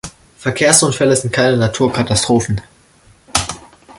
Verkehrsunfälle sind keine Naturkatastrophen.